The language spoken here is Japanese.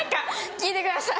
聞いてください。